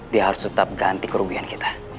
dia harus tetap ganti kerugian kita